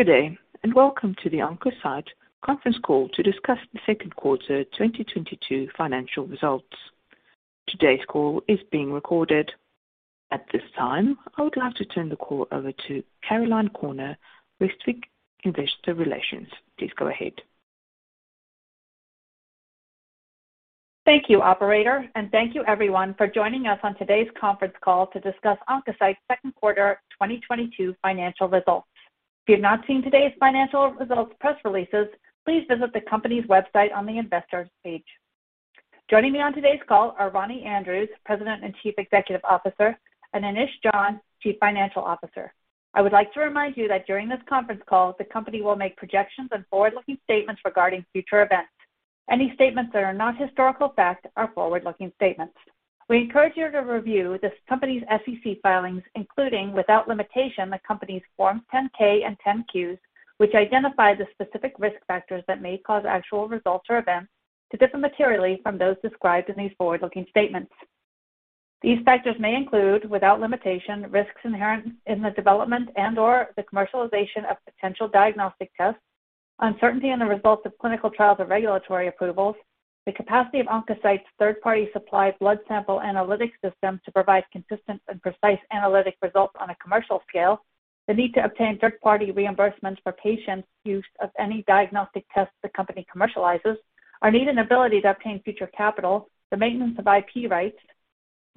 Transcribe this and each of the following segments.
Good day, and welcome to the Oncocyte conference call to discuss the second quarter 2022 financial results. Today's call is being recorded. At this time, I would like to turn the call over to Caroline Corner with ICR. Please go ahead. Thank you, operator, and thank you everyone for joining us on today's conference call to discuss Oncocyte's Second Quarter 2022 Financial Results. If you're not seeing today's financial results press releases, please visit the company's website on the investor page. Joining me on today's call are Ronnie Andrews, President and Chief Executive Officer, and Anish John, Chief Financial Officer. I would like to remind you that during this conference call, the company will make projections and forward-looking statements regarding future events. Any statements that are not historical facts are forward-looking statements. We encourage you to review this company's SEC filings, including, without limitation, the company's Forms 10-K and 10-Qs, which identify the specific risk factors that may cause actual results or events to differ materially from those described in these forward-looking statements. These factors may include, without limitation, risks inherent in the development and/or the commercialization of potential diagnostic tests, uncertainty in the results of clinical trials or regulatory approvals, the capacity of Oncocyte's third-party supplied blood sample analytical systems to provide consistent and precise analytical results on a commercial scale, the need to obtain third-party reimbursements for patients' use of any diagnostic tests the company commercializes, our need and ability to obtain future capital, the maintenance of IP rights,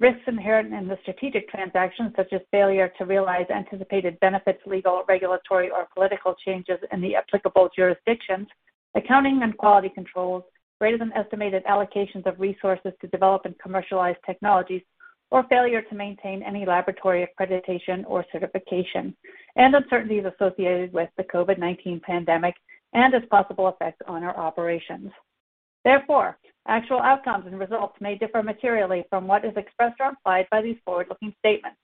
risks inherent in the strategic transactions, such as failure to realize anticipated benefits, legal, regulatory or political changes in the applicable jurisdictions, accounting and quality controls, greater than estimated allocations of resources to develop and commercialize technologies, or failure to maintain any laboratory accreditation or certification, and uncertainties associated with the COVID-19 pandemic and its possible effects on our operations. Therefore, actual outcomes and results may differ materially from what is expressed or implied by these forward-looking statements.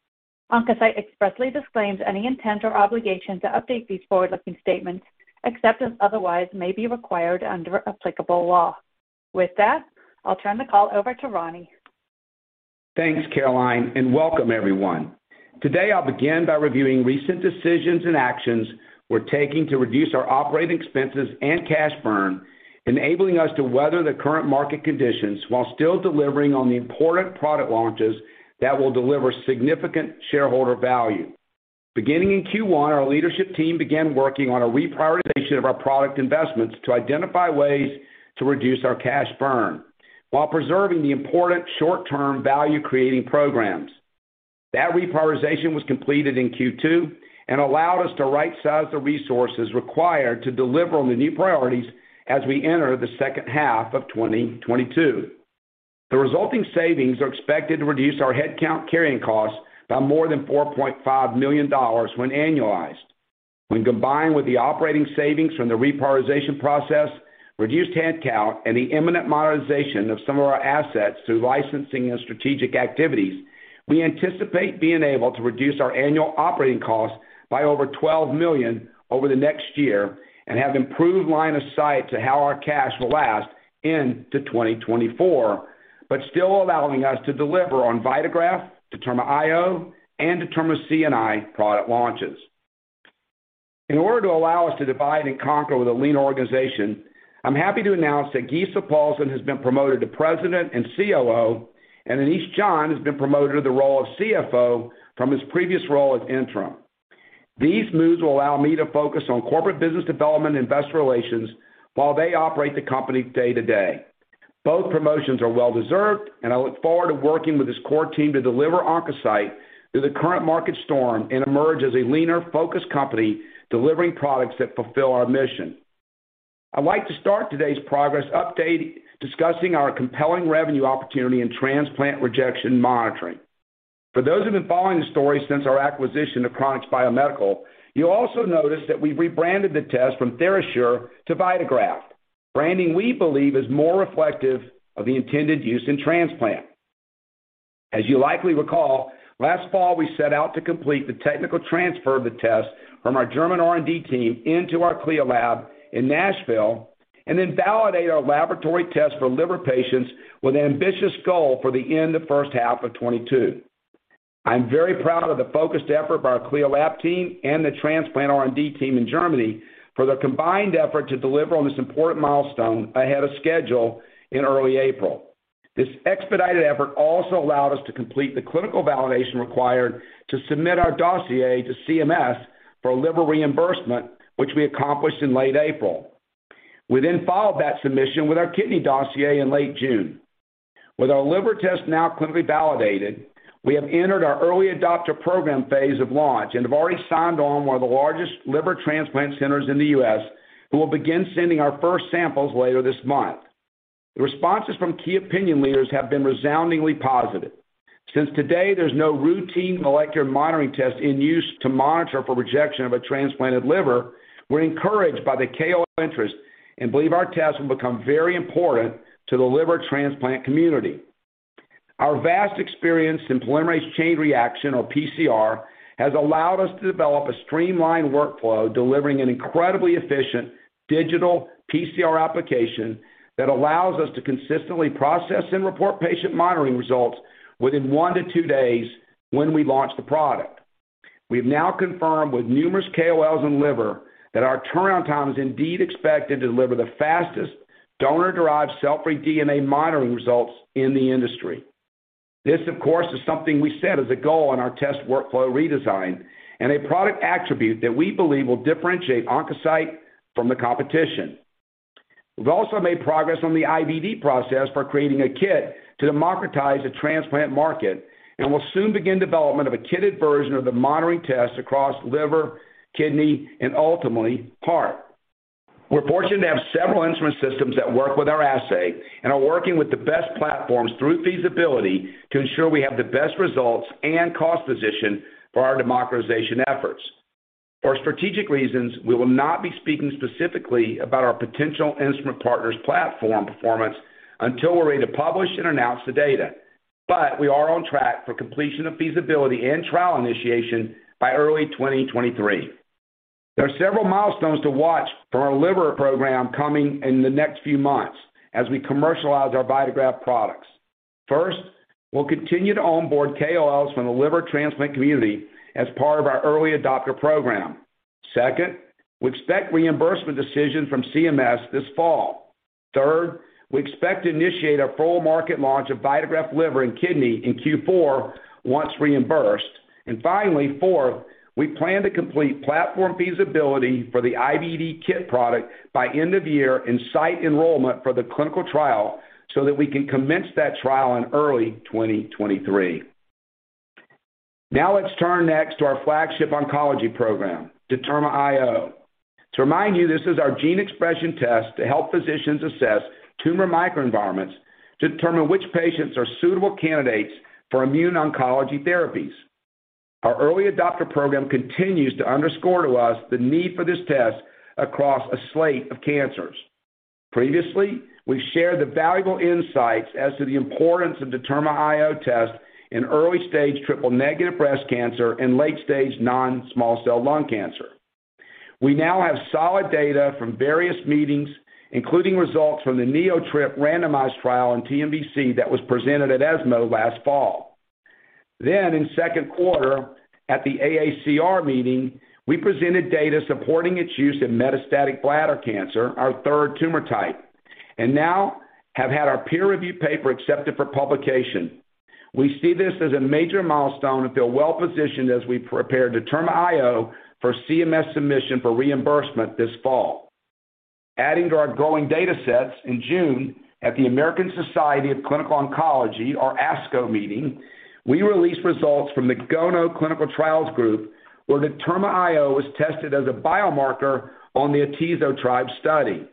Oncocyte expressly disclaims any intent or obligation to update these forward-looking statements except as otherwise may be required under applicable law. With that, I'll turn the call over to Ronnie. Thanks, Caroline, and welcome everyone. Today, I'll begin by reviewing recent decisions and actions we're taking to reduce our operating expenses and cash burn, enabling us to weather the current market conditions while still delivering on the important product launches that will deliver significant shareholder value. Beginning in Q1, our leadership team began working on a reprioritization of our product investments to identify ways to reduce our cash burn while preserving the important short-term value-creating programs. That reprioritization was completed in Q2 and allowed us to rightsize the resources required to deliver on the new priorities as we enter the second half of 2022. The resulting savings are expected to reduce our headcount carrying costs by more than $4.5 million when annualized. When combined with the operating savings from the reprioritization process, reduced headcount, and the imminent monetization of some of our assets through licensing and strategic activities, we anticipate being able to reduce our annual operating costs by over $12 million over the next year and have improved line of sight to how our cash will last into 2024, but still allowing us to deliver on VitaGraft, DetermaIO, and DetermaCNI product launches. In order to allow us to divide and conquer with a lean organization, I'm happy to announce that Gisa Paulsen has been promoted to President and COO, and Anish John has been promoted to the role of CFO from his previous role as interim. These moves will allow me to focus on corporate business development and investor relations while they operate the company day to day. Both promotions are well deserved, and I look forward to working with this core team to deliver Oncocyte through the current market storm and emerge as a leaner, focused company delivering products that fulfill our mission. I'd like to start today's progress update discussing our compelling revenue opportunity in transplant rejection monitoring. For those who've been following the story since our acquisition of Chronix Biomedical, you'll also notice that we've rebranded the test from TheraSure to VitaGraft, branding we believe is more reflective of the intended use in transplant. As you likely recall, last fall, we set out to complete the technical transfer of the test from our German R&D team into our CLIA lab in Nashville, and then validate our laboratory test for liver patients with an ambitious goal for the end of first half of 2022. I'm very proud of the focused effort by our CLIA lab team and the transplant R&D team in Germany for their combined effort to deliver on this important milestone ahead of schedule in early April. This expedited effort also allowed us to complete the clinical validation required to submit our dossier to CMS for liver reimbursement, which we accomplished in late April. We filed that submission with our kidney dossier in late June. With our liver test now clinically validated, we have entered our early adopter program phase of launch and have already signed on one of the largest liver transplant centers in the U.S., who will begin sending our first samples later this month. The responses from key opinion leaders have been resoundingly positive. Since today, there's no routine molecular monitoring test in use to monitor for rejection of a transplanted liver, we're encouraged by the KOL interest and believe our test will become very important to the liver transplant community. Our vast experience in polymerase chain reaction, or PCR, has allowed us to develop a streamlined workflow delivering an incredibly efficient digital PCR application that allows us to consistently process and report patient monitoring results within one to two days when we launch the product. We've now confirmed with numerous KOLs in liver that our turnaround time is indeed expected to deliver the fastest donor-derived cell-free DNA monitoring results in the industry. This, of course, is something we set as a goal on our test workflow redesign and a product attribute that we believe will differentiate Oncocyte from the competition. We've also made progress on the IVD process by creating a kit to democratize the transplant market, and we'll soon begin development of a kitted version of the monitoring test across liver, kidney, and ultimately heart. We're fortunate to have several instrument systems that work with our assay and are working with the best platforms through feasibility to ensure we have the best results and cost position for our democratization efforts. For strategic reasons, we will not be speaking specifically about our potential instrument partner's platform performance until we're ready to publish and announce the data. We are on track for completion of feasibility and trial initiation by early 2023. There are several milestones to watch for our liver program coming in the next few months as we commercialize our VitaGraft products. First, we'll continue to onboard KOLs from the liver transplant community as part of our early adopter program. Second, we expect reimbursement decision from CMS this fall. Third, we expect to initiate a full market launch of VitaGraft Liver and Kidney in Q4 once reimbursed. Finally, fourth, we plan to complete platform feasibility for the IVD kit product by end of year and site enrollment for the clinical trial so that we can commence that trial in early 2023. Now let's turn next to our flagship oncology program, DetermaIO. To remind you, this is our gene expression test to help physicians assess tumor microenvironments to determine which patients are suitable candidates for immuno-oncology therapies. Our early adopter program continues to underscore to us the need for this test across a slate of cancers. Previously, we've shared the valuable insights as to the importance of Determa IO test in early-stage triple-negative breast cancer and late-stage non-small cell lung cancer. We now have solid data from various meetings, including results from the NeoTRIP randomized trial in TNBC that was presented at ESMO last fall. In second quarter at the AACR meeting, we presented data supporting its use in metastatic bladder cancer, our third tumor type, and now have had our peer-reviewed paper accepted for publication. We see this as a major milestone and feel well-positioned as we prepare Determa IO for CMS submission for reimbursement this fall. Adding to our growing datasets, in June at the American Society of Clinical Oncology, or ASCO meeting, we released results from the GONO Clinical Trials Group where Determa IO was tested as a biomarker on the AtezoTRIBE study.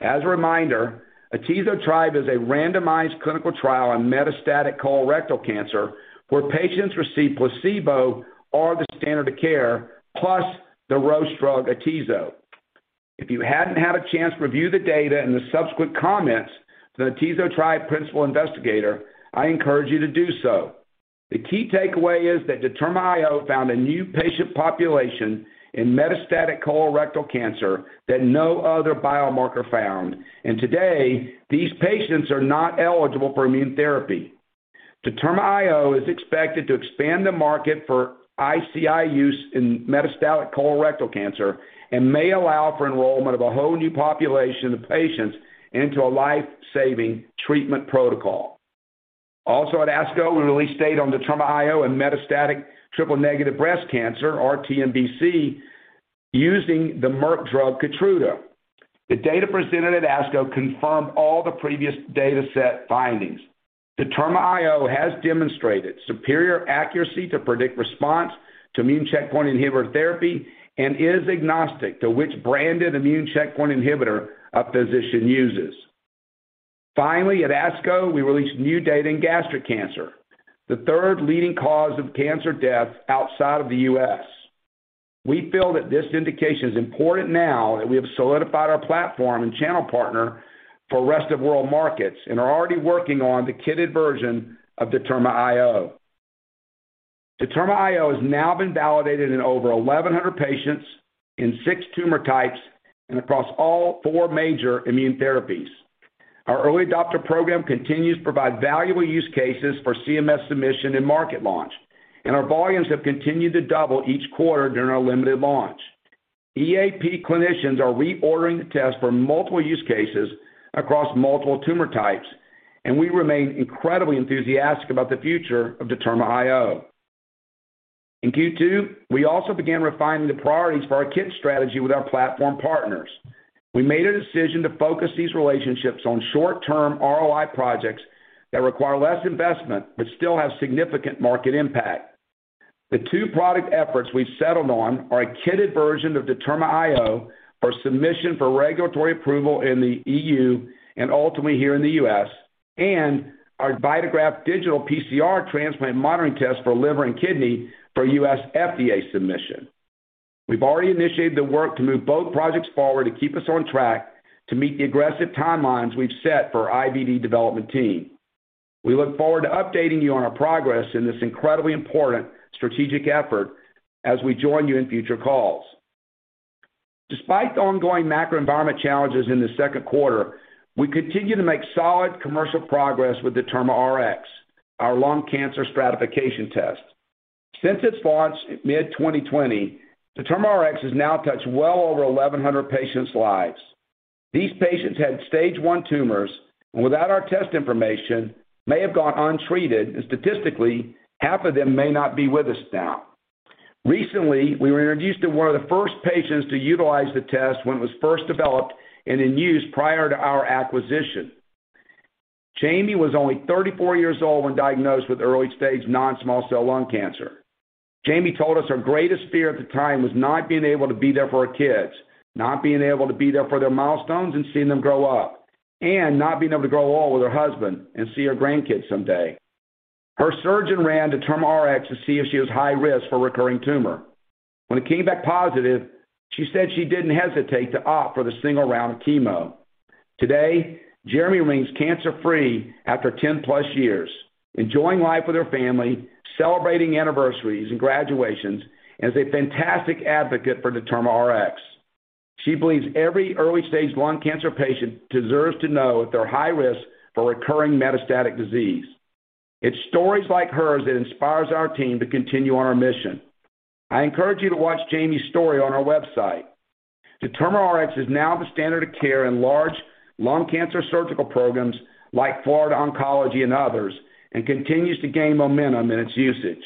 As a reminder, AtezoTRIBE is a randomized clinical trial on metastatic colorectal cancer where patients receive placebo or the standard of care, plus the Roche drug Atezolizumab. If you hadn't had a chance to review the data and the subsequent comments to the AtezoTRIBE principal investigator, I encourage you to do so. The key takeaway is that DetermaIO found a new patient population in metastatic colorectal cancer that no other biomarker found. Today, these patients are not eligible for immunotherapy. DetermaIO is expected to expand the market for ICI use in metastatic colorectal cancer and may allow for enrollment of a whole new population of patients into a life-saving treatment protocol. Also at ASCO, we released data on DetermaIO and metastatic triple-negative breast cancer, or TNBC, using the Merck drug Keytruda. The data presented at ASCO confirmed all the previous dataset findings. Determa IO has demonstrated superior accuracy to predict response to immune checkpoint inhibitor therapy and is agnostic to which branded immune checkpoint inhibitor a physician uses. Finally, at ASCO, we released new data in gastric cancer, the third leading cause of cancer death outside of the U.S. We feel that this indication is important now that we have solidified our platform and channel partner for rest-of-world markets and are already working on the kitted version of Determa IO. Determa IO has now been validated in over 1,100 patients in six tumor types and across all four major immune therapies. Our early adopter program continues to provide valuable use cases for CMS submission and market launch, and our volumes have continued to double each quarter during our limited launch. EAP clinicians are reordering the test for multiple use cases across multiple tumor types, and we remain incredibly enthusiastic about the future of DetermaIO. In Q2, we also began refining the priorities for our kit strategy with our platform partners. We made a decision to focus these relationships on short-term ROI projects that require less investment but still have significant market impact. The two product efforts we've settled on are a kitted version of DetermaIO for submission for regulatory approval in the EU and ultimately here in the U.S., and our VitaGraft digital PCR transplant monitoring test for liver and kidney for U.S. FDA submission. We've already initiated the work to move both projects forward to keep us on track to meet the aggressive timelines we've set for IVD development team. We look forward to updating you on our progress in this incredibly important strategic effort as we join you in future calls. Despite the ongoing macro environment challenges in the second quarter, we continue to make solid commercial progress with DetermaRx, our lung cancer stratification test. Since its launch in mid-2020, DetermaRx has now touched well over 1,100 patients' lives. These patients had stage one tumors, and without our test information, may have gone untreated, and statistically, half of them may not be with us now. Recently, we were introduced to one of the first patients to utilize the test when it was first developed and in use prior to our acquisition. Jamie was only 34 years old when diagnosed with early stage non-small cell lung cancer. Jamie told us her greatest fear at the time was not being able to be there for her kids, not being able to be there for their milestones and seeing them grow up, and not being able to grow old with her husband and see her grandkids someday. Her surgeon ran DetermaRx to see if she was high risk for recurring tumor. When it came back positive, she said she didn't hesitate to opt for the single round of chemo. Today, Jamie remains cancer free after ten-plus years, enjoying life with her family, celebrating anniversaries and graduations, and is a fantastic advocate for DetermaRx. She believes every early stage lung cancer patient deserves to know if they're high risk for recurring metastatic disease. It's stories like hers that inspires our team to continue on our mission. I encourage you to watch Jamie's story on our website. DetermaRx is now the standard of care in large lung cancer surgical programs like Florida Oncology and others, and continues to gain momentum in its usage.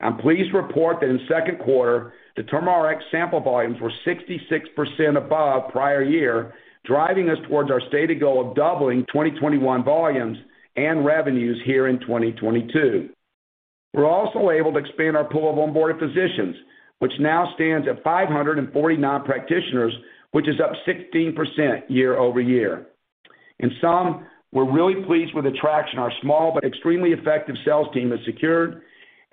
I'm pleased to report that in second quarter, DetermaRx sample volumes were 66% above prior year, driving us towards our stated goal of doubling 2021 volumes and revenues here in 2022. We're also able to expand our pool of onboarded physicians, which now stands at 549 practitioners, which is up 16% year-over-year. In sum, we're really pleased with the traction our small but extremely effective sales team has secured,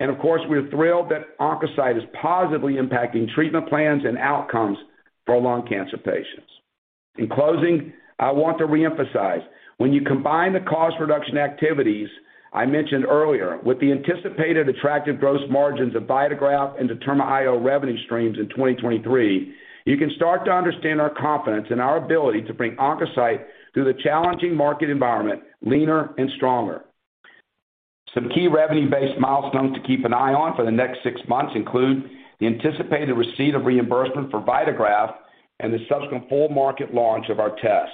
and of course, we're thrilled that Oncocyte is positively impacting treatment plans and outcomes for lung cancer patients. In closing, I want to reemphasize, when you combine the cost reduction activities I mentioned earlier with the anticipated attractive gross margins of VitaGraft and DetermaIO revenue streams in 2023, you can start to understand our confidence in our ability to bring Oncocyte through the challenging market environment leaner and stronger. Some key revenue-based milestones to keep an eye on for the next six months include the anticipated receipt of reimbursement for VitaGraft and the subsequent full market launch of our test.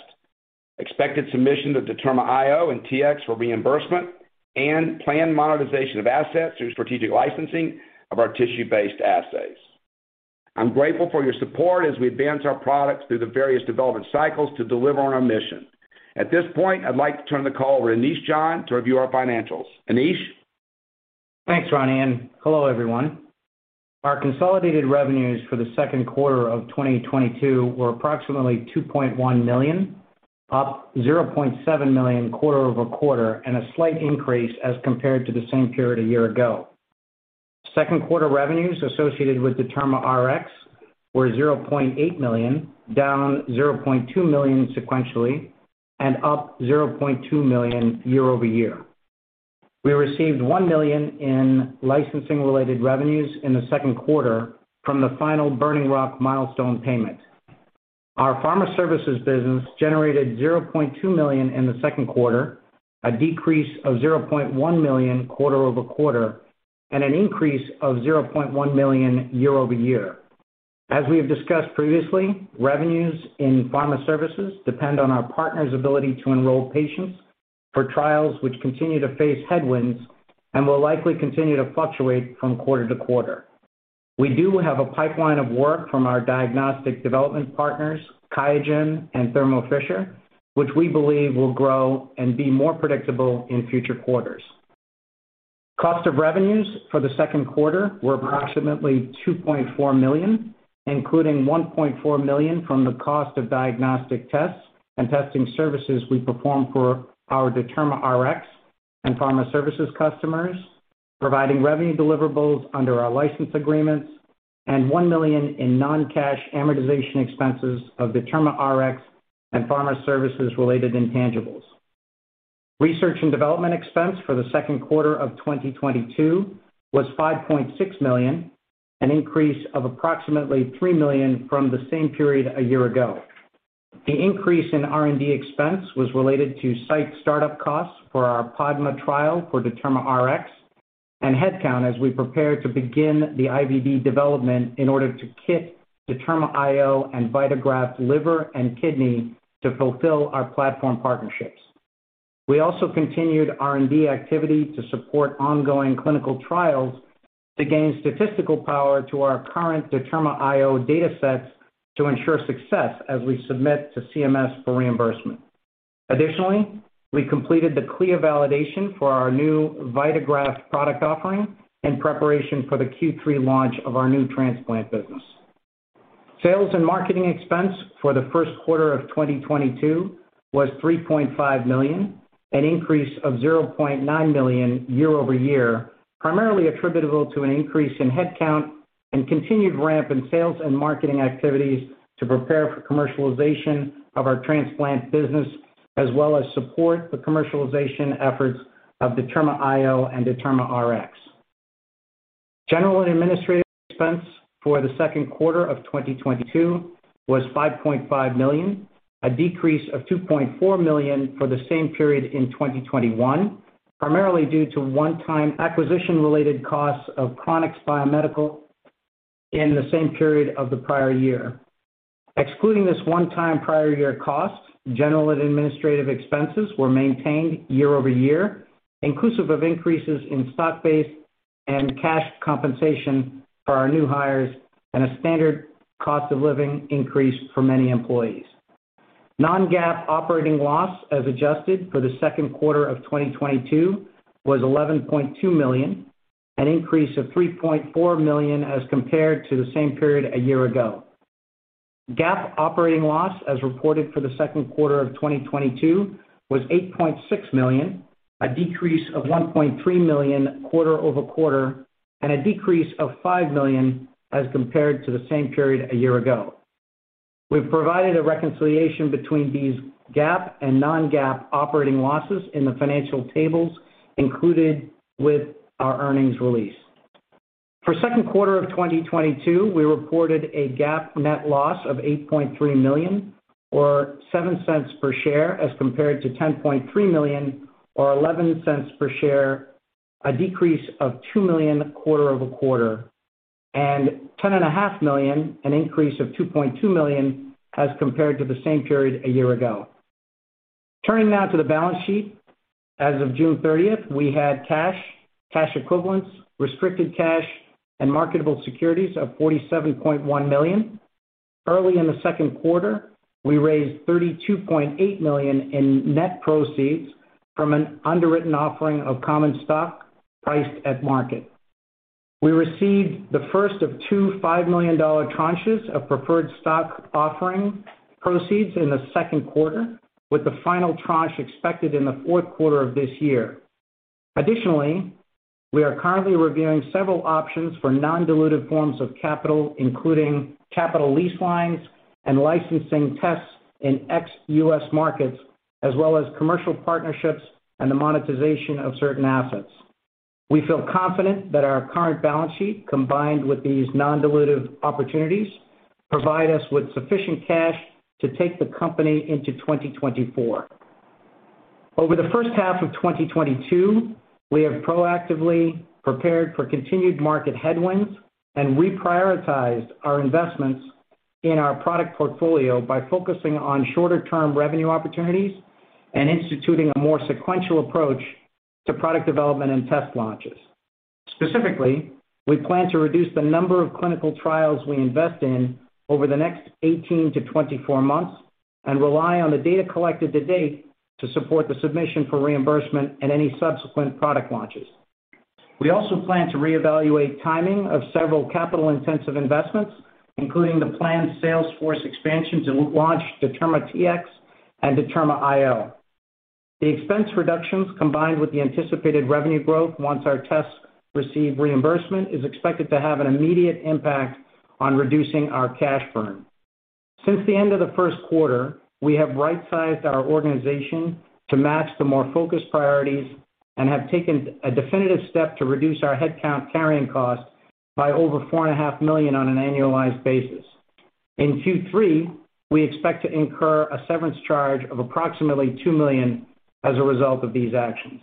Expected submission to DetermaIO and DetermaRx for reimbursement and planned monetization of assets through strategic licensing of our tissue-based assays. I'm grateful for your support as we advance our products through the various development cycles to deliver on our mission. At this point, I'd like to turn the call over to Anish John to review our financials. Anish? Thanks, Ron, and hello, everyone. Our consolidated revenues for the second quarter of 2022 were approximately $2.1 million, up $0.7 million quarter-over-quarter and a slight increase as compared to the same period a year ago. Second quarter revenues associated with DetermaRx were $0.8 million, down $0.2 million sequentially and up $0.2 million year-over-year. We received $1 million in licensing-related revenues in the second quarter from the final Burning Rock milestone payment. Our pharma services business generated $0.2 million in the second quarter, a decrease of $0.1 million quarter-over-quarter and an increase of $0.1 million year-over-year. As we have discussed previously, revenues in pharma services depend on our partners' ability to enroll patients for trials which continue to face headwinds and will likely continue to fluctuate from quarter to quarter. We do have a pipeline of work from our diagnostic development partners, QIAGEN and Thermo Fisher, which we believe will grow and be more predictable in future quarters. Cost of revenues for the second quarter were approximately $2.4 million, including $1.4 million from the cost of diagnostic tests and testing services we performed for our DetermaRx and pharma services customers, providing revenue deliverables under our license agreements and $1 million in non-cash amortization expenses of DetermaRx and pharma services-related intangibles. Research and development expense for the second quarter of 2022 was $5.6 million, an increase of approximately $3 million from the same period a year ago. The increase in R&D expense was related to site start-up costs for our PADMA trial for DetermaRx and headcount as we prepare to begin the IVD development in order to kit DetermaIO and VitaGraft liver and kidney to fulfill our platform partnerships. We also continued R&D activity to support ongoing clinical trials to gain statistical power to our current DetermaIO datasets to ensure success as we submit to CMS for reimbursement. Additionally, we completed the CLIA validation for our new VitaGraft product offering in preparation for the Q3 launch of our new transplant business. Sales and marketing expense for the first quarter of 2022 was $3.5 million, an increase of $0.9 million year-over-year, primarily attributable to an increase in headcount and continued ramp in sales and marketing activities to prepare for commercialization of our transplant business as well as support the commercialization efforts of DetermaIO and DetermaRx. General and administrative expense for the second quarter of 2022 was $5.5 million, a decrease of $2.4 million for the same period in 2021, primarily due to one-time acquisition related costs of Chronix Biomedical in the same period of the prior year. Excluding this one-time prior year cost, general and administrative expenses were maintained year-over-year, inclusive of increases in stock-based and cash compensation for our new hires and a standard cost of living increase for many employees. Non-GAAP operating loss, as adjusted for the second quarter of 2022 was $11.2 million, an increase of $3.4 million as compared to the same period a year ago. GAAP operating loss, as reported for the second quarter of 2022 was $8.6 million, a decrease of $1.3 million quarter-over-quarter, and a decrease of $5 million as compared to the same period a year ago. We've provided a reconciliation between these GAAP and non-GAAP operating losses in the financial tables included with our earnings release. For second quarter of 2022, we reported a GAAP net loss of $8.3 million or $0.07 per share, as compared to $10.3 million or $0.11 per share, a decrease of $2 million quarter-over-quarter and $10.5 million, an increase of $2.2 million as compared to the same period a year ago. Turning now to the balance sheet. As of June 30th, we had cash equivalents, restricted cash and marketable securities of $47.1 million. Early in the second quarter, we raised $32.8 million in net proceeds from an underwritten offering of common stock priced at market. We received the first of two $5 million tranches of preferred stock offering proceeds in the second quarter, with the final tranche expected in the fourth quarter of this year. Additionally, we are currently reviewing several options for non-dilutive forms of capital, including capital lease lines and licensing tests in ex-US markets, as well as commercial partnerships and the monetization of certain assets. We feel confident that our current balance sheet, combined with these non-dilutive opportunities, provide us with sufficient cash to take the company into 2024. Over the first half of 2022, we have proactively prepared for continued market headwinds and reprioritized our investments in our product portfolio by focusing on shorter term revenue opportunities and instituting a more sequential approach to product development and test launches. Specifically, we plan to reduce the number of clinical trials we invest in over the next 18-24 months and rely on the data collected to date to support the submission for reimbursement and any subsequent product launches. We also plan to reevaluate timing of several capital-intensive investments, including the planned sales force expansion to launch DetermaRx and DetermaIO. The expense reductions, combined with the anticipated revenue growth once our tests receive reimbursement, is expected to have an immediate impact on reducing our cash burn. Since the end of the first quarter, we have right-sized our organization to match the more focused priorities and have taken a definitive step to reduce our headcount carrying cost by over $4 and a half million on an annualized basis. In Q3, we expect to incur a severance charge of approximately $2 million as a result of these actions.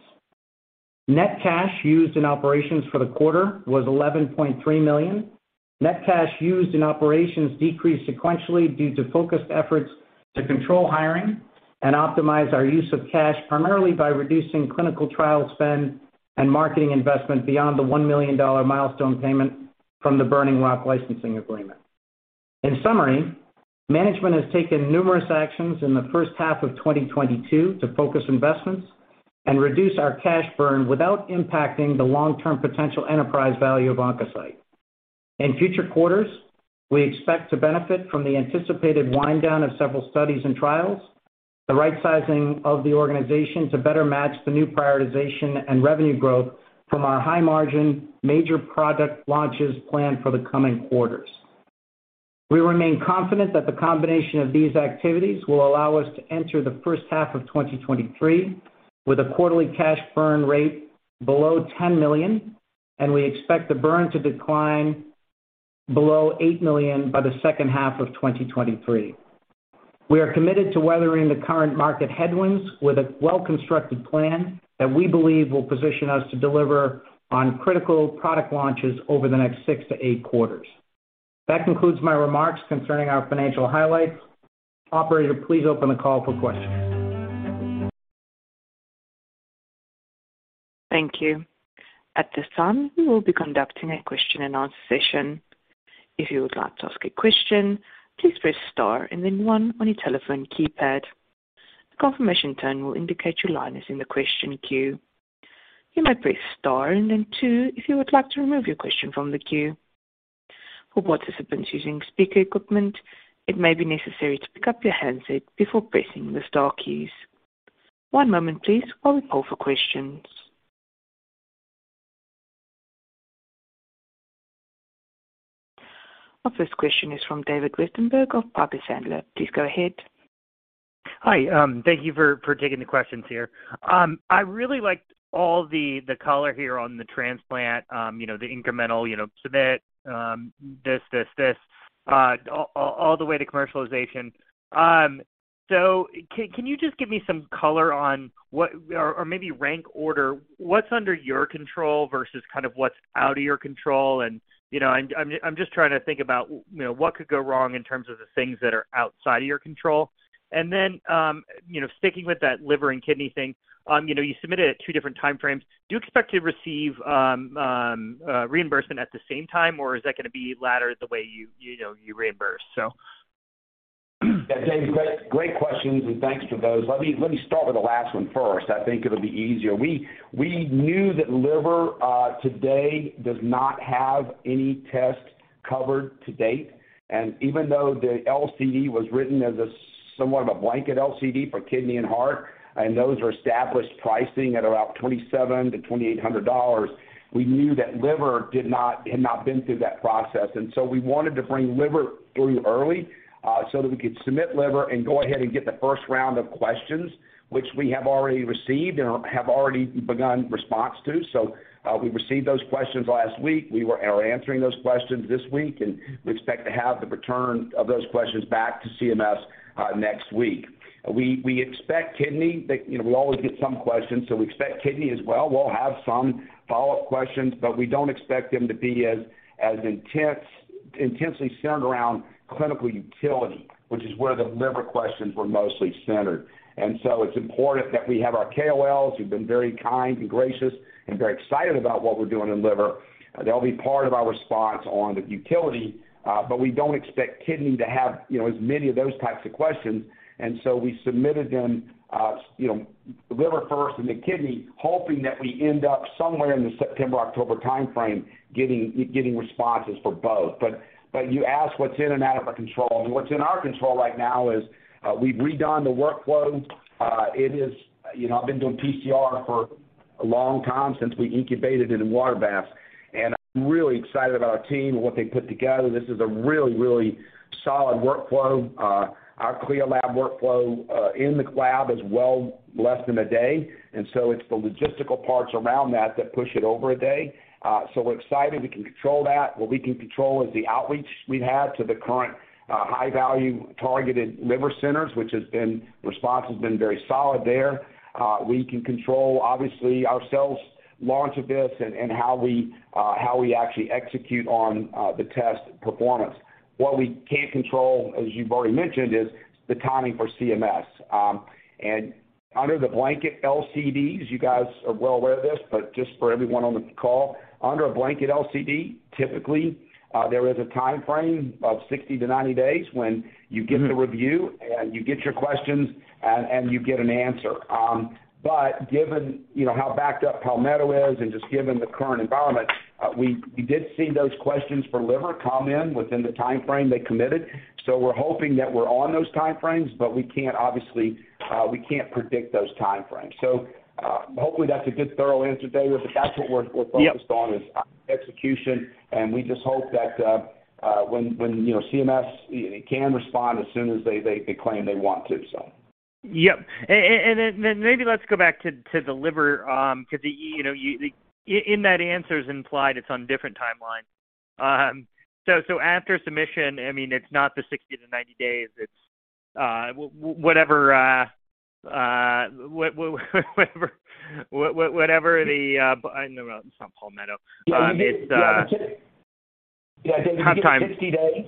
Net cash used in operations for the quarter was $11.3 million. Net cash used in operations decreased sequentially due to focused efforts to control hiring and optimize our use of cash, primarily by reducing clinical trial spend and marketing investment beyond the $1 million milestone payment from the Burning Rock licensing agreement. In summary, management has taken numerous actions in the first half of 2022 to focus investments and reduce our cash burn without impacting the long term potential enterprise value of Oncocyte. In future quarters, we expect to benefit from the anticipated wind down of several studies and trials, the right sizing of the organization to better match the new prioritization and revenue growth from our high margin major product launches planned for the coming quarters. We remain confident that the combination of these activities will allow us to enter the first half of 2023 with a quarterly cash burn rate below $10 million, and we expect the burn to decline below $8 million by the second half of 2023. We are committed to weathering the current market headwinds with a well-constructed plan that we believe will position us to deliver on critical product launches over the next six to eight quarters. That concludes my remarks concerning our financial highlights. Operator, please open the call for questions. Thank you. At this time, we will be conducting a question and answer session. If you would like to ask a question, please press star and then one on your telephone keypad. The confirmation tone will indicate your line is in the question queue. You may press star and then two if you would like to remove your question from the queue. For participants using speaker equipment, it may be necessary to pick up your handset before pressing the star keys. One moment please while we poll for questions. Our first question is from David Westenberg of Piper Sandler. Please go ahead. Hi. Thank you for taking the questions here. I really liked all the color here on the transplant, you know, the incremental submission, you know, all the way to commercialization. Can you just give me some color on what or maybe rank order what's under your control versus kind of what's out of your control? You know, I'm just trying to think about, you know, what could go wrong in terms of the things that are outside of your control. You know, sticking with that liver and kidney thing, you know, you submitted at two different time frames. Do you expect to receive reimbursement at the same time, or is that gonna be laddered the way you know, you reimbursed? Yeah, David, great questions, and thanks for those. Let me start with the last one first. I think it'll be easier. We knew that liver today does not have any test covered to date. Even though the LCD was written as somewhat of a blanket LCD for kidney and heart, and those were established pricing at about $2,700-$2,800, we knew that liver had not been through that process. We wanted to bring liver through early, so that we could submit liver and go ahead and get the first round of questions, which we have already received and have already begun responding to. We received those questions last week. We were... We're answering those questions this week, and we expect to have the return of those questions back to CMS next week. We expect kidney, that you know, we'll always get some questions, so we expect kidney as well. We'll have some follow-up questions, but we don't expect them to be as intensely centered around clinical utility, which is where the liver questions were mostly centered. It's important that we have our KOLs, who've been very kind and gracious and very excited about what we're doing in liver. They'll be part of our response on the utility, but we don't expect kidney to have, you know, as many of those types of questions. We submitted them, you know, liver first and then kidney, hoping that we end up somewhere in the September-October timeframe getting responses for both. You asked what's in and out of our control. What's in our control right now is, we've redone the workflow. It is, you know, I've been doing PCR for a long time since we incubated in water baths, and I'm really excited about our team and what they put together. This is a really, really solid workflow. Our CLIA lab workflow in the cloud is well less than a day. It's the logistical parts around that that push it over a day. We're excited we can control that. What we can control is the outreach we've had to the current high-value targeted liver centers, which has been very solid there. We can control obviously our sales launch of this and how we actually execute on the test performance. What we can't control, as you've already mentioned, is the timing for CMS. Under the blanket LCDs, you guys are well aware of this, but just for everyone on the call, under a blanket LCD, typically, there is a timeframe of 60-90 days when you get the review, and you get your questions and you get an answer. Given, you know, how backed up Palmetto is and just given the current environment, we did see those questions for liver come in within the timeframe they committed. We're hoping that we're on those timeframes, but we can't obviously predict those timeframes. Hopefully that's a good thorough answer, David, but that's what we're focused on. Yep. This execution, and we just hope that when you know CMS can respond as soon as they claim they want to. Yep. Maybe let's go back to the liver, 'cause you know, in that answer it's implied it's on different timelines. After submission, I mean, it's not the 60-90 days. I know it's not Palmetto. It's Yeah, you get. Time frames. Yeah, you get 60 days.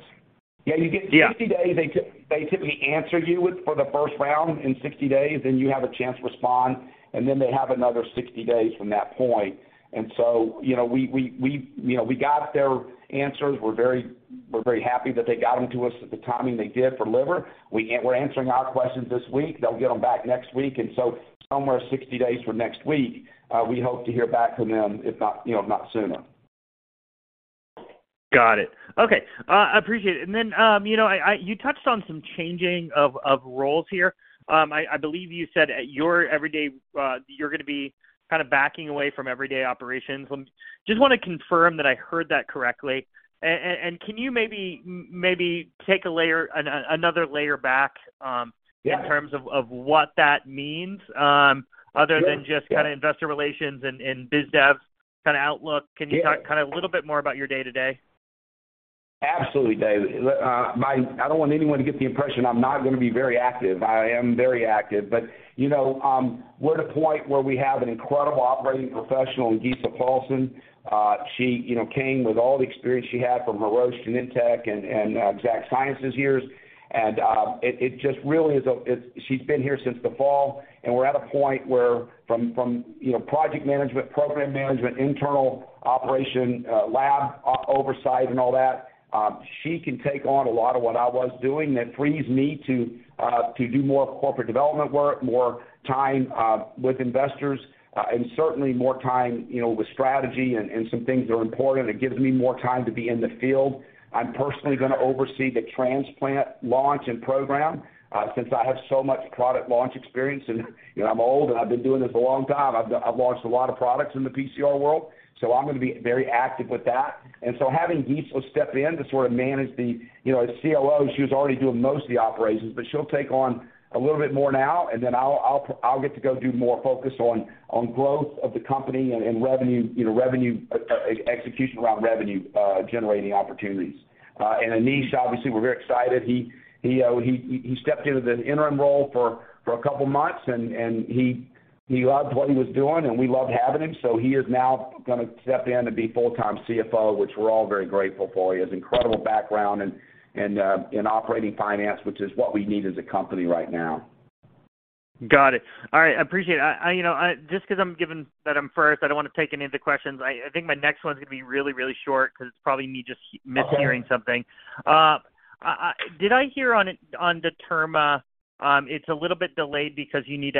Yeah. Yeah, you get 60 days. They typically answer you for the first round in 60 days, then you have a chance to respond, and then they have another 60 days from that point. You know, we got their answers. We're very happy that they got them to us at the timing they did for liver. We're answering our questions this week. They'll get them back next week. Somewhere 60 days from next week, we hope to hear back from them, if not sooner. Got it. Okay. I appreciate it. You know, you touched on some changing of roles here. I believe you said that you're gonna be kind of backing away from everyday operations. Just wanna confirm that I heard that correctly. Can you maybe take a layer, another layer back. Yeah. In terms of what that means. Yeah. Other than just kinda investor relations and biz dev kinda outlook. Yeah. Can you talk kinda a little bit more about your day-to-day? Absolutely, David. I don't want anyone to get the impression I'm not gonna be very active. I am very active. You know, we're at a point where we have an incredible operating professional in Gisela Paulsen. She, you know, came with all the experience she had from Roche to Nitto Denko and Exact Sciences years. It just really is. She's been here since the fall, and we're at a point where from, you know, project management, program management, internal operation, lab oversight and all that, she can take on a lot of what I was doing. That frees me to do more corporate development work, more time with investors, and certainly more time, you know, with strategy and some things that are important. It gives me more time to be in the field. I'm personally gonna oversee the transplant launch and program, since I have so much product launch experience and, you know, I'm old and I've been doing this a long time. I've launched a lot of products in the PCR world, so I'm gonna be very active with that. Having Gisa step in to sort of manage the, you know, as COO, she was already doing most of the operations, but she'll take on a little bit more now, and then I'll get to go do more focus on growth of the company and revenue, you know, revenue execution around revenue generating opportunities. Anish, obviously, we're very excited. He stepped into the interim role for a couple months and he loved what he was doing, and we loved having him. He is now gonna step in and be full-time CFO, which we're all very grateful for. He has incredible background in operating finance, which is what we need as a company right now. Got it. All right, I appreciate it. You know, I just 'cause I'm given that I'm first, I don't wanna take any of the questions. I think my next one's gonna be really short 'cause it's probably me just mishearing something. Did I hear on Determa it's a little bit delayed because you need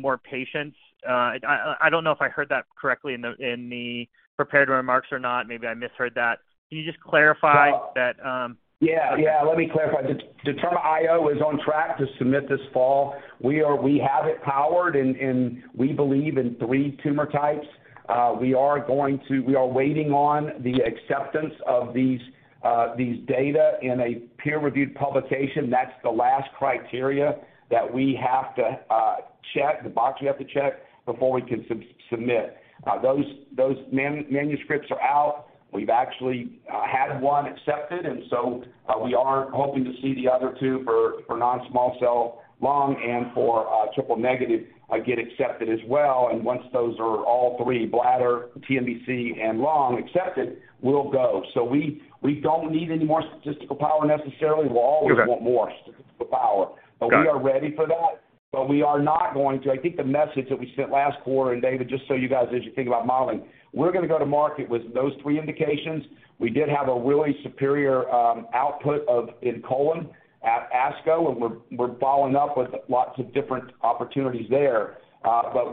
more patients? I don't know if I heard that correctly in the prepared remarks or not. Maybe I misheard that. Can you just clarify that? Yeah, yeah. Let me clarify. DetermaIO is on track to submit this fall. We have it powered and we believe in three tumor types. We are waiting on the acceptance of these data in a peer-reviewed publication. That's the last criteria that we have to check the box we have to check before we can submit. Those manuscripts are out. We've actually had one accepted, and we are hoping to see the other two for non-small cell lung and for triple-negative get accepted as well. Once those are all three, bladder, TNBC, and lung accepted, we'll go. We don't need any more statistical power necessarily. Okay. We'll always want more statistical power. Got it. We are ready for that. We are not going to. I think the message that we sent last quarter, and David, just so you guys, as you think about modeling, we're gonna go to market with those three indications. We did have a really superior output in colon at ASCO, and we're following up with lots of different opportunities there.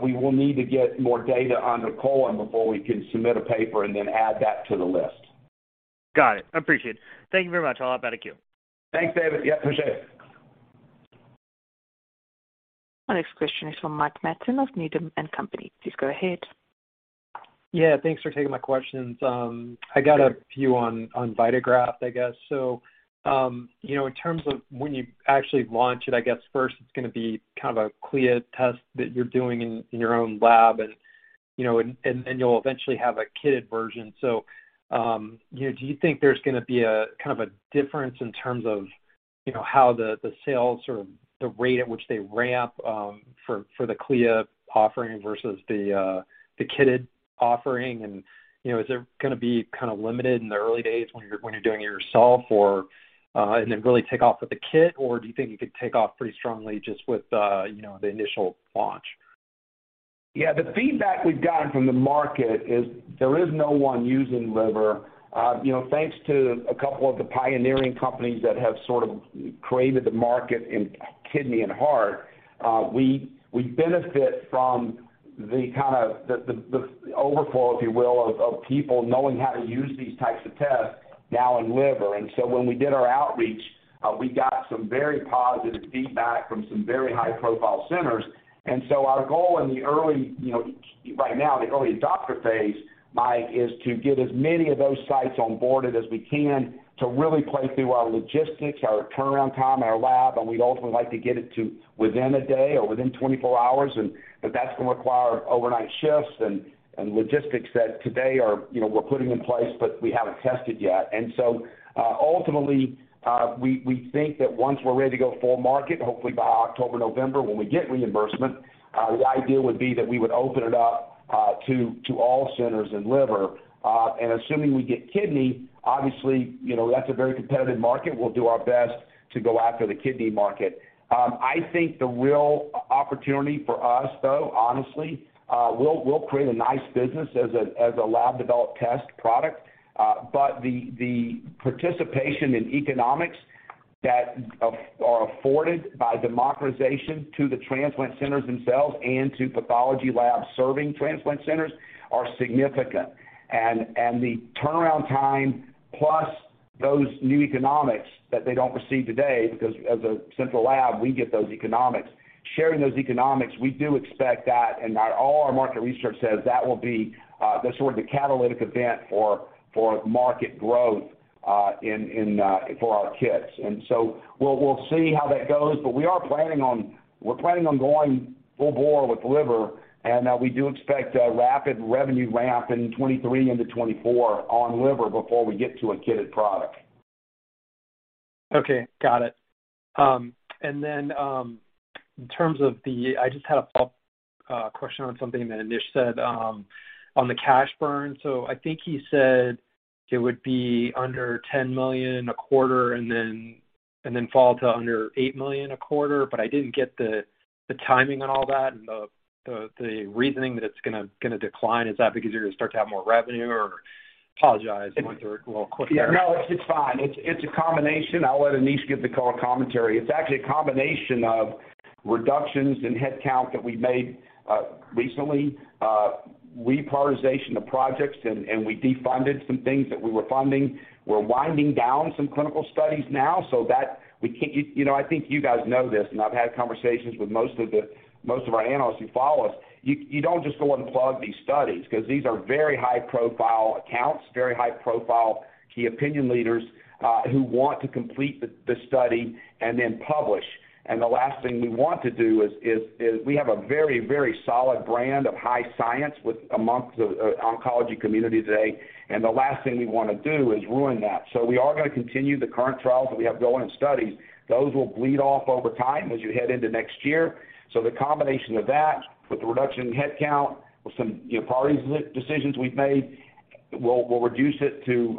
We will need to get more data on the colon before we can submit a paper and then add that to the list. Got it. Appreciate it. Thank you very much. I'll hop out of queue. Thanks, David. Yeah, appreciate it. Our next question is from Mike Matson of Needham & Company. Please go ahead. Yeah, thanks for taking my questions. I got a few on VitaGraft, I guess. You know, in terms of when you actually launch it, I guess first it's gonna be kind of a CLIA test that you're doing in your own lab and then you'll eventually have a kitted version. You know, do you think there's gonna be a kind of a difference in terms of how the sales or the rate at which they ramp for the CLIA offering versus the kitted offering? You know, is it gonna be kind of limited in the early days when you're doing it yourself or and then really take off with the kit? Do you think it could take off pretty strongly just with, you know, the initial launch? Yeah. The feedback we've gotten from the market is there is no one using liver. You know, thanks to a couple of the pioneering companies that have sort of created the market in kidney and heart, we benefit from the kind of the overflow, if you will, of people knowing how to use these types of tests now in liver. When we did our outreach, we got some very positive feedback from some very high-profile centers. Our goal in the early, you know, right now, the early adopter phase, Mike, is to get as many of those sites onboarded as we can to really play through our logistics, our turnaround time, our lab, and we'd ultimately like to get it to within a day or within 24 hours. But that's gonna require overnight shifts and logistics that today are, you know, we're putting in place, but we haven't tested yet. Ultimately, we think that once we're ready to go full market, hopefully by October, November, when we get reimbursement, the idea would be that we would open it up to all centers in liver. Assuming we get kidney, obviously, you know, that's a very competitive market. We'll do our best to go after the kidney market. I think the real opportunity for us though, honestly, we'll create a nice business as a lab developed test product. But the participation in economics that are afforded by democratization to the transplant centers themselves and to pathology labs serving transplant centers are significant. The turnaround time plus those new economics that they don't receive today because as a central lab, we get those economics. Sharing those economics, we do expect that, and our all our market research says that will be the sort of the catalytic event for market growth in for our kits. We'll see how that goes. We're planning on going full bore with liver, and we do expect a rapid revenue ramp in 2023 into 2024 on liver before we get to a kitted product. Okay. Got it. And then, in terms of the I just had a follow-up question on something that Anish said on the cash burn. I think he said it would be under $10 million a quarter and then fall to under $8 million a quarter. I didn't get the timing on all that and the reasoning that it's gonna decline. Is that because you're gonna start to have more revenue or? Apologize, went through it real quick there. Yeah. No, it's fine. It's a combination. I'll let Anish give the call or commentary. It's actually a combination of reductions in headcount that we made recently, reprioritization of projects, and we defunded some things that we were funding. We're winding down some clinical studies now so that we can. You know, I think you guys know this, and I've had conversations with most of our analysts who follow us. You don't just go unplug these studies 'cause these are very high-profile accounts, very high-profile key opinion leaders, who want to complete the study and then publish. The last thing we want to do is we have a very, very solid brand of high science with amongst the oncology community today, and the last thing we wanna do is ruin that. We are gonna continue the current trials that we have going in studies. Those will bleed off over time as you head into next year. The combination of that with the reduction in headcount, with some, you know, priority decisions we've made. We'll reduce it to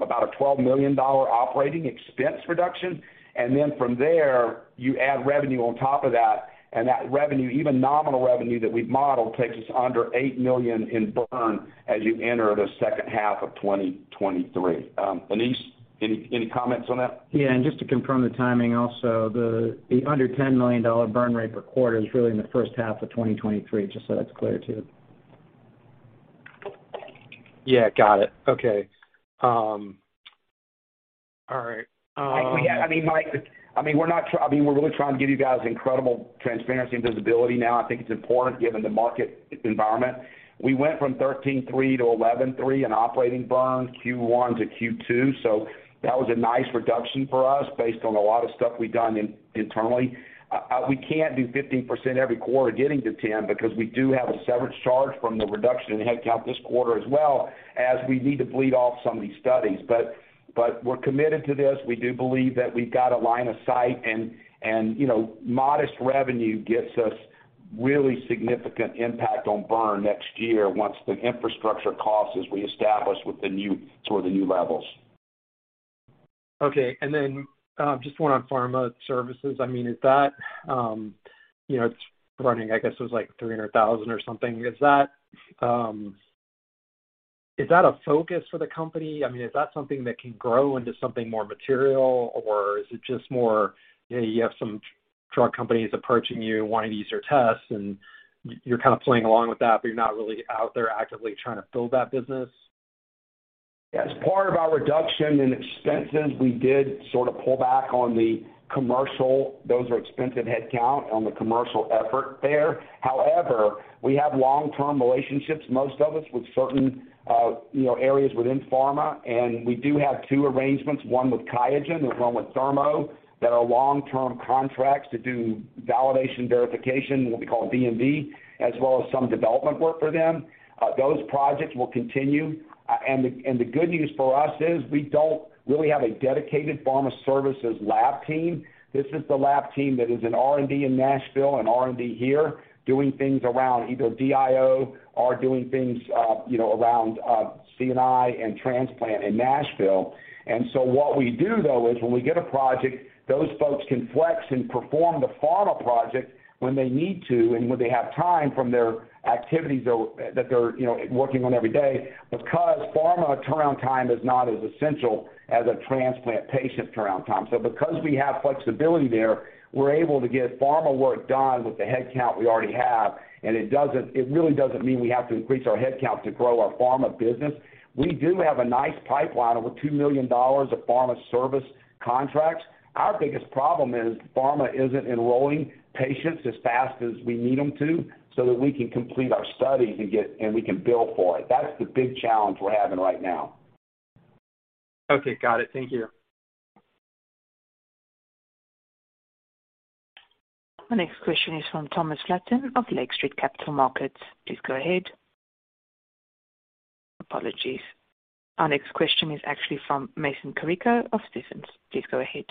about a $12 million operating expense reduction. Then from there, you add revenue on top of that, and that revenue, even nominal revenue that we've modeled, takes us under $8 million in burn as you enter the second half of 2023. Anish, any comments on that? Yeah. Just to confirm the timing also, the under $10 million burn rate per quarter is really in the first half of 2023, just so that's clear too. Yeah, got it. Okay. All right. I mean, Mike, we're really trying to give you guys incredible transparency and visibility now. I think it's important given the market environment. We went from $13.3 million to $11.3 million in operating burns, Q1 to Q2. That was a nice reduction for us based on a lot of stuff we've done internally. We can't do 15% every quarter getting to 10 because we do have a severance charge from the reduction in headcount this quarter as well, as we need to bleed off some of these studies. We're committed to this. We do believe that we've got a line of sight and, you know, modest revenue gets us really significant impact on burn next year once the infrastructure costs is reestablished toward the new levels. Okay. Just one on pharma services. I mean, is that, you know, it's running, I guess it was like $300,000 or something. Is that a focus for the company? I mean, is that something that can grow into something more material, or is it just more, you have some drug companies approaching you wanting to use your tests, and you're kind of playing along with that, but you're not really out there actively trying to build that business? As part of our reduction in expenses, we did sort of pull back on the commercial. Those are expensive headcount on the commercial effort there. However, we have long-term relationships, most of us with certain, you know, areas within pharma, and we do have two arrangements, one with QIAGEN and one with Thermo, that are long-term contracts to do validation, verification, what we call V&V, as well as some development work for them. Those projects will continue. The good news for us is we don't really have a dedicated pharma services lab team. This is the lab team that is in R&D in Nashville and R&D here doing things around either DIO or doing things, you know, around, C&I and transplant in Nashville. What we do, though, is when we get a project, those folks can flex and perform the pharma project when they need to and when they have time from their activities though, that they're, you know, working on every day because pharma turnaround time is not as essential as a transplant patient turnaround time. Because we have flexibility there, we're able to get pharma work done with the headcount we already have, and it doesn't, it really doesn't mean we have to increase our headcount to grow our pharma business. We do have a nice pipeline over $2 million of pharma service contracts. Our biggest problem is pharma isn't enrolling patients as fast as we need them to so that we can complete our studies and get and we can bill for it. That's the big challenge we're having right now. Okay, got it. Thank you. The next question is from Thomas Flaten of Lake Street Capital Markets. Please go ahead. Apologies. Our next question is actually from Mason Carrico of Stephens. Please go ahead.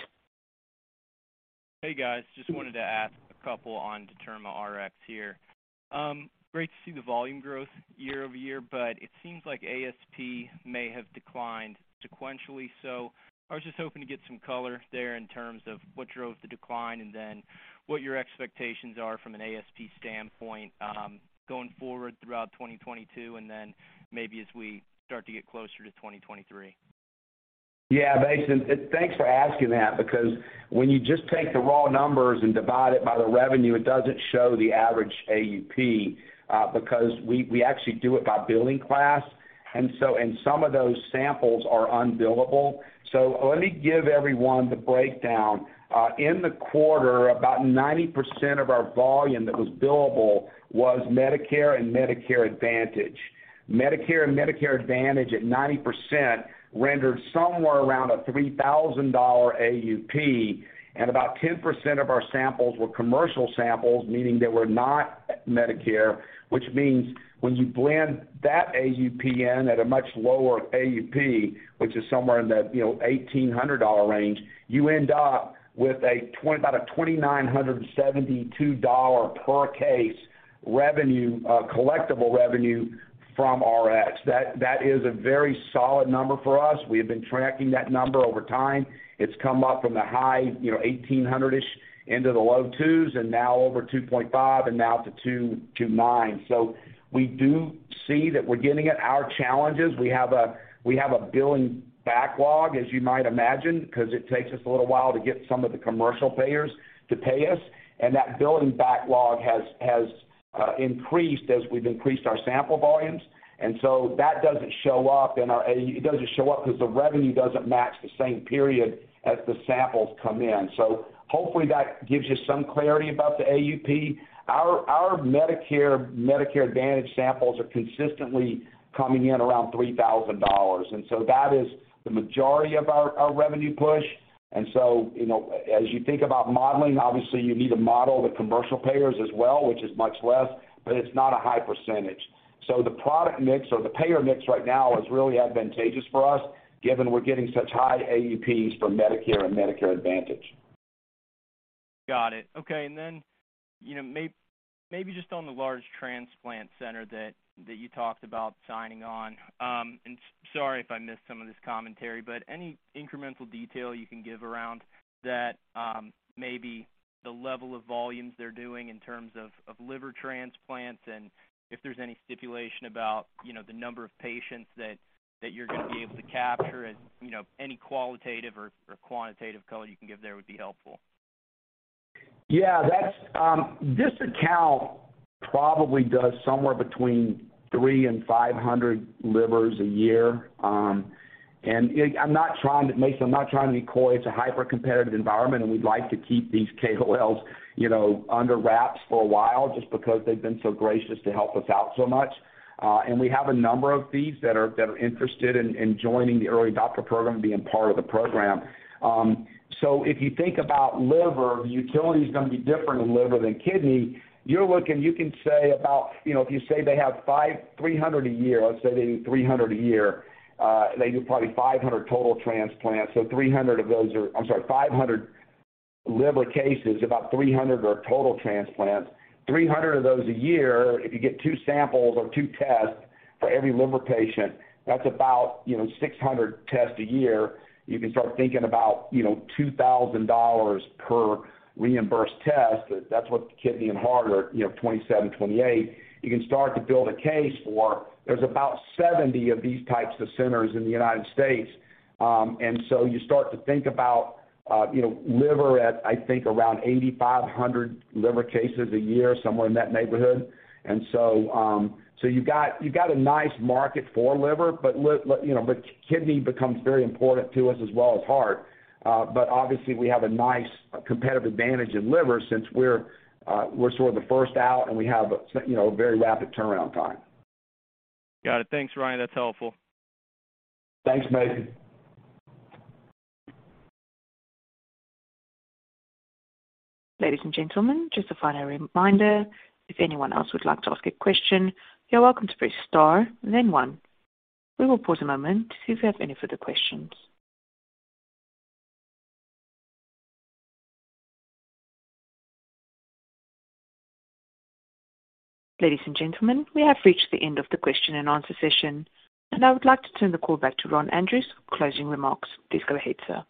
Hey, guys. Just wanted to ask a couple on DetermaRx here. Great to see the volume growth year-over-year, but it seems like ASP may have declined sequentially. I was just hoping to get some color there in terms of what drove the decline and then what your expectations are from an ASP standpoint, going forward throughout 2022 and then maybe as we start to get closer to 2023. Yeah, Mason, thanks for asking that because when you just take the raw numbers and divide it by the revenue, it doesn't show the average AUP, because we actually do it by billing class. Some of those samples are unbillable. Let me give everyone the breakdown. In the quarter, about 90% of our volume that was billable was Medicare and Medicare Advantage. Medicare and Medicare Advantage at 90% rendered somewhere around a $3,000 AUP, and about 10% of our samples were commercial samples, meaning they were not Medicare, which means when you blend that AUP in at a much lower AUP, which is somewhere in the, you know, $1,800 range, you end up with about a $2,972 per case revenue, collectible revenue from Rx. That is a very solid number for us. We have been tracking that number over time. It's come up from the high, you know, $1,800-ish into the low $2,000s and now over $2,500 and now to $2,290. We do see that we're getting past our challenges. We have a billing backlog, as you might imagine, 'cause it takes us a little while to get some of the commercial payers to pay us. That billing backlog has increased as we've increased our sample volumes. That doesn't show up in our AUP because the revenue doesn't match the same period as the samples come in. Hopefully that gives you some clarity about the AUP. Our Medicare Advantage samples are consistently coming in around $3,000. That is the majority of our revenue push. You know, as you think about modeling, obviously you need to model the commercial payers as well, which is much less, but it's not a high percentage. The product mix or the payer mix right now is really advantageous for us, given we're getting such high AUPs for Medicare and Medicare Advantage. Got it. Okay. You know, maybe just on the large transplant center that you talked about signing on. Sorry if I missed some of this commentary, but any incremental detail you can give around that, maybe the level of volumes they're doing in terms of liver transplants and if there's any stipulation about, you know, the number of patients that you're gonna be able to capture and, you know, any qualitative or quantitative color you can give there would be helpful. Yeah, that's. This account probably does somewhere between 300 and 500 livers a year. I'm not trying to be coy. Mason, it's a hyper-competitive environment, and we'd like to keep these KOLs, you know, under wraps for a while just because they've been so gracious to help us out so much. We have a number of these that are interested in joining the early adopter program and being part of the program. If you think about liver, the utility is gonna be different in liver than kidney. You're looking, you can say about, you know, if you say they have 300 a year, let's say they do 300 a year, they do probably 500 total transplants, so 300 of those are. I'm sorry, 500 liver cases. About 300 are total transplants. 300 of those a year, if you get two samples or two tests for every liver patient, that's about, you know, 600 tests a year. You can start thinking about, you know, $2,000 per reimbursed test. That's what kidney and heart are, you know, 27, 28. You can start to build a case for there's about 70 of these types of centers in the United States. You start to think about, you know, liver at, I think, around 8,500 liver cases a year, somewhere in that neighborhood. You got a nice market for liver, but, you know, kidney becomes very important to us as well as heart. Obviously we have a nice competitive advantage in liver since we're sort of the first out and we have, you know, a very rapid turnaround time. Got it. Thanks, Ryan. That's helpful. Thanks, Mason. Ladies and gentlemen, just a final reminder. If anyone else would like to ask a question, you're welcome to press star then one. We will pause a moment to see if we have any further questions. Ladies and gentlemen, we have reached the end of the question and answer session, and I would like to turn the call back to Ron Andrews for closing remarks. Please go ahead, sir.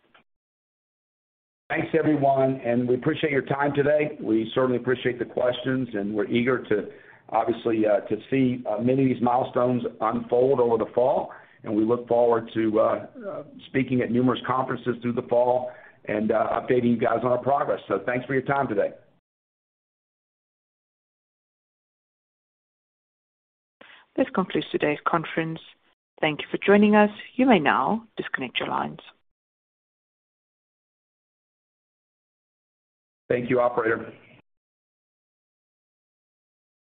Thanks, everyone, and we appreciate your time today. We certainly appreciate the questions, and we're eager to obviously to see many of these milestones unfold over the fall. We look forward to speaking at numerous conferences through the fall and updating you guys on our progress. Thanks for your time today. This concludes today's conference. Thank you for joining us. You may now disconnect your lines. Thank you, operator.